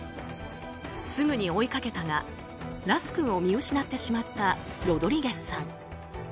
すぐに追いかけたが、ラス君を見失ってしまったロドリゲスさん。